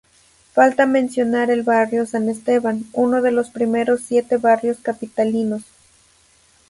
Falta mencionar el barrio San Esteban, uno de los primeros siete barrios capitalinos.